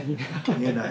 言えない。